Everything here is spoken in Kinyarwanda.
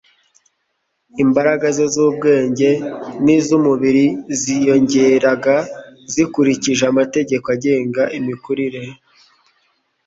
Imbaraga ze z'ubwenge n'iz'umubiri ziyongeraga zikurikije amategeko agenga imikurire.